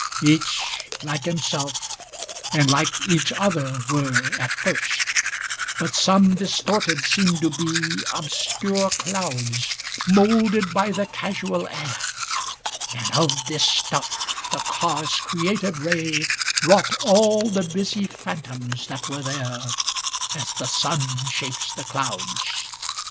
529 Each like himself and like each other were At first; but some, distorted, seemed to be * Obscure clouds, moulded by the casual air; And of this stuff the car's creative ray Wrought all the busj phantoms that were there, *As the sun shapes the clouds.